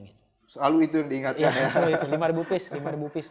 iya selalu itu lima ribu piece